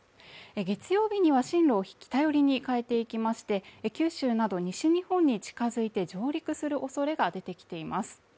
月曜日には進路を北寄りに変えていきまして九州など西日本に近づいて上陸する恐れが出てきています